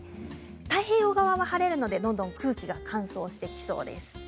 太平洋側は晴れますので空気がどんどん乾燥してきそうです。